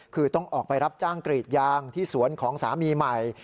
คือต้องออกไปรับจ้างกรีดยางที่สวนของสามีใหม่